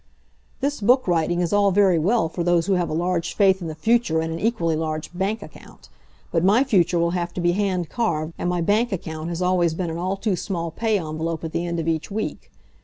This book writing is all very well for those who have a large faith in the future and an equally large bank account. But my future will have to be hand carved, and my bank account has always been an all too small pay envelope at the end of each week.